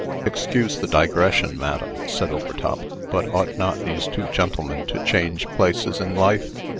"Excuse the digression, madam," said Overtop, "but ought not these two gentlemen to change places in life?